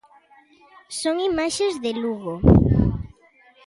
Son imaxes de Lugo.